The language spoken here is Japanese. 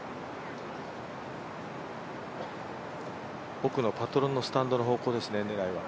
奥のパトロンのスタンドの方向ですね、狙いは。